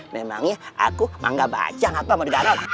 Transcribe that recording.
memangnya aku mangga bacang apa mau digarot